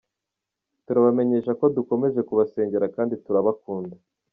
Turabamenyesha ko dukomeje kubasengera kandi turabakunda.